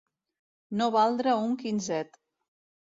No valdre un quinzet.